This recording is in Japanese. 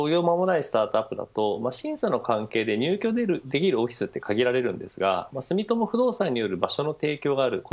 いろいろあるんですけども例えば創業間もないスタートアップだと審査の関係で入居できるオフィスが限られるんですが住友不動産による場所の提供がある。